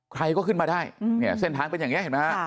ใครก็ขึ้นมาได้เนี่ยเส้นทางเป็นอย่างนี้เห็นไหมฮะ